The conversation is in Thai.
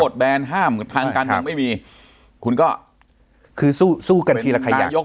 โบสถ์แบรนด์ห้ามทางการมันไม่มีคุณก็คือสู้กันทีและขยัก